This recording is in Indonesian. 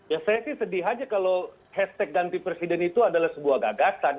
ya saya sih sedih aja kalau hashtag ganti presiden itu adalah sebuah gagasan